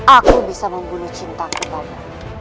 aku bisa membunuh cintaku pada